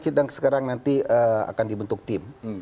ini sekarang akan dibentuk tim